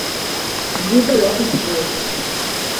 Zilda Lopes Dias